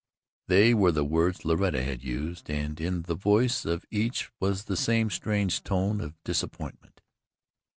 They were the words Loretta had used, and in the voice of each was the same strange tone of disappointment.